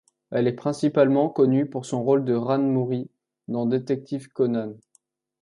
Elle est principalement connue pour son rôle de Ran Mouri dans Détective Conan.